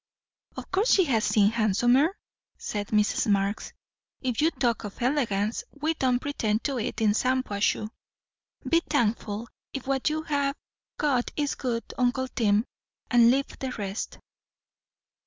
"Of course she has seen handsomer!" said Mrs. Marx. "If you talk of elegance, we don't pretend to it in Shampuashuh. Be thankful if what you have got is good, uncle Tim; and leave the rest."